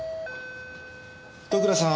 戸倉さん？